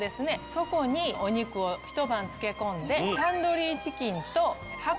そこにお肉をひと晩漬け込んで。